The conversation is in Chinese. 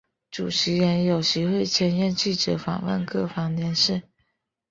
主持人有时会兼任记者访问各方人士。